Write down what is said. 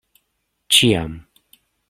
Ĉiam.